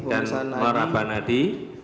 dan merabah nadi